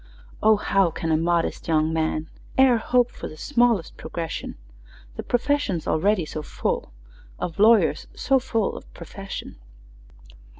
"O, how can a modest young man E'er hope for the smallest progression, The profession's already so full Of lawyers so full of profession!"